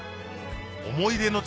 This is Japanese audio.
思い出の地